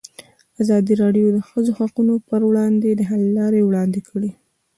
ازادي راډیو د د ښځو حقونه پر وړاندې د حل لارې وړاندې کړي.